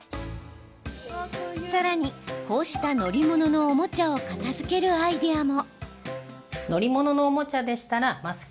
さらに、こうした乗り物のおもちゃを片づけるアイデアも。